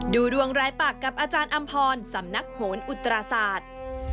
ดูดวงรายปากกับอาจารย์อำพรสำนักโหนอุตราศาสตร์